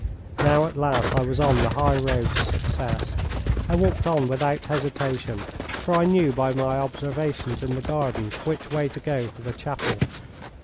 Now at last I was on the high road to success. I walked on without hesitation, for I knew by my observations in the garden which way to go for the chapel.